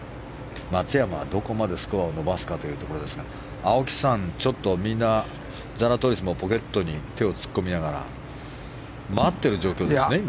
松山は、どこまでスコアを伸ばすかというところですが青木さん、ちょっとみんなザラトリスもポケットに手を突っ込みながら待ってる状況ですね、今。